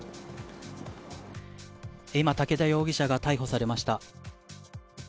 今、武田容疑者が逮捕されました。